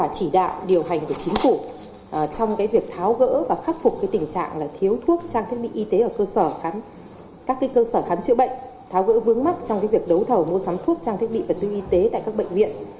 các cơ sở khám chữa bệnh tháo gỡ vướng mắt trong việc đấu thầu mua sắm thuốc trang thiết bị vật tư y tế tại các bệnh viện